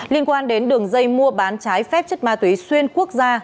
liên quan đến đường dây mua bán trái phép chất ma túy xuyên quốc gia